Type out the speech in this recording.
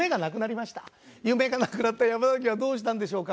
夢がなくなった山崎はどうしたんでしょうか？